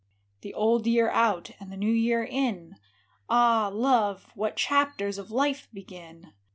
The old year out and the new year in, — Ah, love, what chapters of life begin?